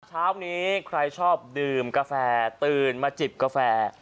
เช้านี้ใครชอบดื่มกาแฟตื่นมาจิบกาแฟ